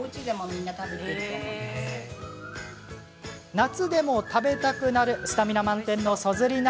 夏でも食べたくなるスタミナ満点の、そずり鍋。